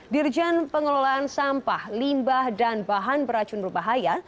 dirjen pengelolaan sampah limbah dan bahan beracun berbahaya